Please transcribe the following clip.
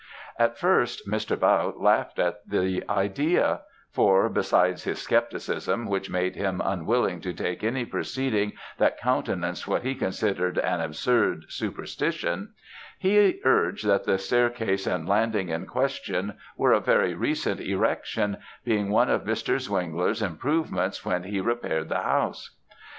At first, Mr. Bautte laughed at the idea; for besides his scepticism, which made him unwilling to take any proceeding that countenanced what he considered an absurd superstition he urged, that the staircase and landing in question, were of very recent erection, being one of Mr. Zwengler's improvements when he repaired the house.